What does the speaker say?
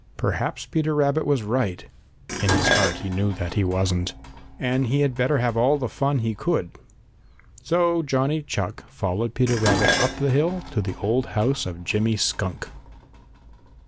Perhaps Peter Rabbit was right (in his heart he knew that he wasn't) and he had better have all the fun he could. So Johnny Chuck followed Peter Rabbit up the hill to the old house of Jimmy Skunk.